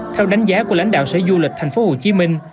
theo đánh giá của lãnh đạo sở du lịch thành phố hồ chí minh